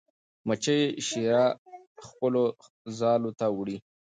مچۍ شیره خپلو ځالو ته وړي.